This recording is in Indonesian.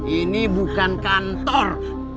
ini bukan kantor